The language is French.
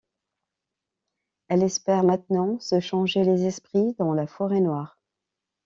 Elle espère maintenant se changer les esprits dans la Forêt-Noire.